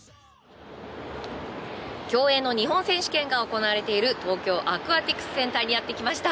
競泳の日本選手権が行われている東京アクアティクスセンターにやってきました。